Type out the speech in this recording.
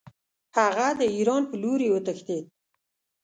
هغه د ایران په لوري وتښتېد.